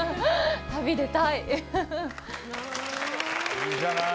いいじゃない。